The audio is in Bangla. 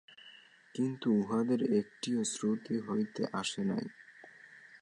কিন্তু উহাদের একটিও শ্রুতি হইতে আসে নাই।